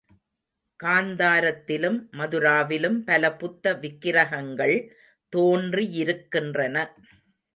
காந்தாரத்திலும் மதுராவிலும் பல புத்த விக்கிரஹங்கள் தோன்றியிருக்கின்றன.